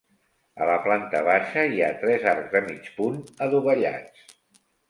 A la planta baixa hi ha tres arcs de mig punt adovellats.